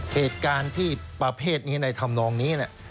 เหตุการณ์ที่ประเภทนี้ในธรรมนองนี้